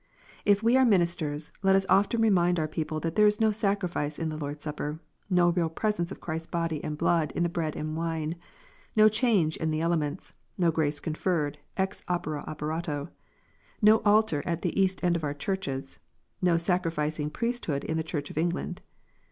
If we are ministers, let us often remind our people that there is no sacrifice in the Lord s Supper, no real presence of Christ s body and blood in the bread and wine, no change of the elements, no grace conferred ex opere opcrato, no altar at the east end of our churches, no sacrificing priest hood in the Church of England.